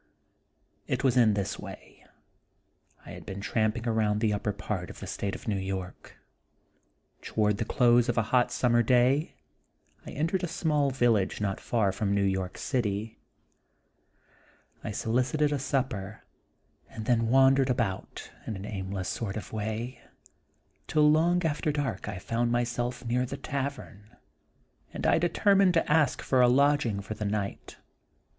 It was in this way : I had been tramping around the upper part of the State of New York. Toward the close of a hot summer day, I entered a small village not far from New York City. I solicited a supper, and then wandered about, in an aimless sort of way, till long after dark I found myself near the tavern, and I determined to ask for a lodging for the night.